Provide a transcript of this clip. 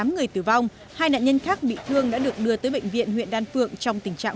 tám người tử vong hai nạn nhân khác bị thương đã được đưa tới bệnh viện huyện đan phượng trong tình trạng